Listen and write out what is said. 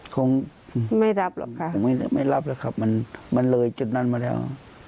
คงไม่รับหรอกค่ะคงไม่รับแล้วครับมันเลยจุดนั้นมาแล้ว